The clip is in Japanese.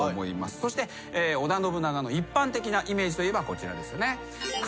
そして織田信長の一般的なイメージといえばこちら。